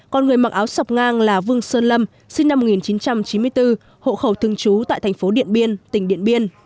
còn người mặc áo sọc ngang là vương sơn lâm sinh năm một nghìn chín trăm chín mươi bốn hộ khẩu thường trú tại thành phố điện biên tỉnh điện biên